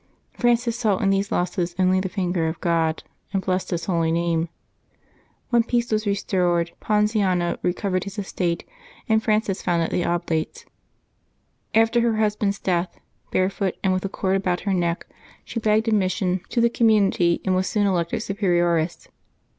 Prances saw"^in these losses only the finger of God, and blessed His holy name. When peace was restored Pon ziano recovered his estate, and Frances founded the Oblates. After her husband's death, barefoot and with a cord about her neck she begged admission to the com 102 LIVES OF THE SAINTS [March 10 munit}', and was soon elected Superioress.